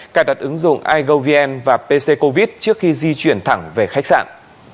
cài đặt ứng dụng igovn và pc covid trước khi di chuyển thẳng về khách sạn